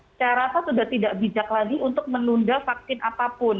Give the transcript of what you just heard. saya rasa sudah tidak bijak lagi untuk menunda vaksin apapun